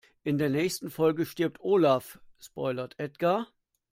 In der nächsten Folge stirbt Olaf, spoilert Edgar.